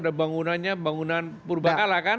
bukan itu ada bangunannya bangunan purba kalah kan